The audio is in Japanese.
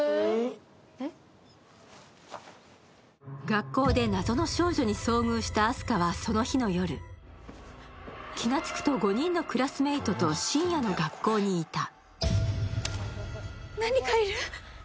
学校で謎の少女に遭遇した明日香は、その日の夜、気がつくと５人のクラスメイトと深夜の学校にいた。